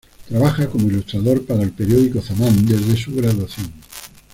Trabaja como ilustrador para el periódico Zaman desde su graduación.